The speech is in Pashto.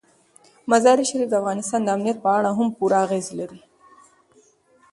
مزارشریف د افغانستان د امنیت په اړه هم پوره اغېز لري.